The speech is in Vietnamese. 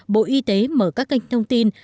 bộ y tế mở các kênh thông tin